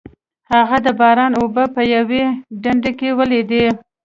هغه د باران اوبه په یوه ډنډ کې ولیدې.